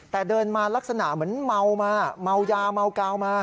แต่เดินมาลักษณะเหมือนเมามาเมายาเมากาวมา